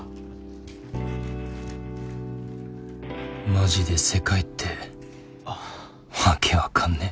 マジで世界って訳わかんねぇ。